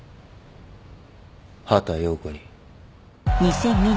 畑葉子に。